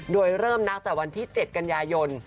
โดยเริ่มนับจากวันที่๗กันยายน